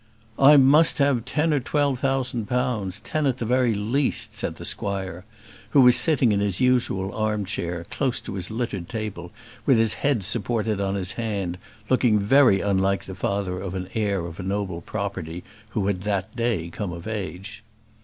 "I must have ten or twelve thousand pounds; ten at the very least," said the squire, who was sitting in his usual arm chair, close to his littered table, with his head supported on his hand, looking very unlike the father of an heir of a noble property, who had that day come of age.